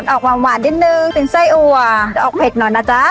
ออกหวานนิดนึงเป็นไส้อัวแต่ออกเผ็ดหน่อยนะจ๊ะ